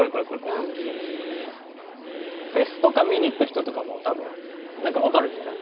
フェスとか見に行った人とかも多分なんかわかるんじゃない？